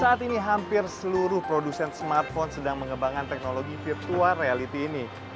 saat ini hampir seluruh produsen smartphone sedang mengembangkan teknologi virtual reality ini